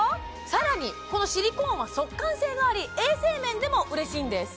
更にこのシリコーンは速乾性があり衛生面でも嬉しいんです